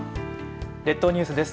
列島ニュースです。